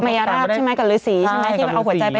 ยาราชใช่ไหมกับฤษีใช่ไหมที่ไปเอาหัวใจไป